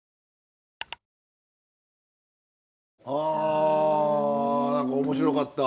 あ何か面白かった。